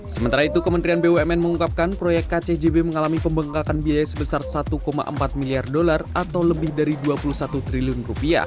sementara itu kementerian bumn mengungkapkan proyek kcjb mengalami pembengkakan biaya sebesar satu empat miliar dolar atau lebih dari rp dua puluh satu triliun